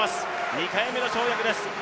２回目の跳躍です。